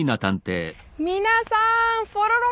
皆さん！